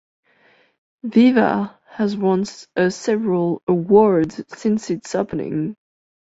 Viva has won a several awards since its opening.